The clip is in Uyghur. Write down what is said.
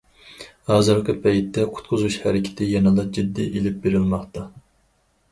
ھازىرقى پەيتتە، قۇتقۇزۇش ھەرىكىتى يەنىلا جىددىي ئېلىپ بېرىلماقتا.